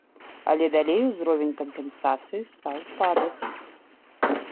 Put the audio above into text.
Але далей ўзровень кампенсацыі стаў падаць.